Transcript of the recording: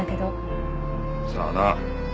さあな。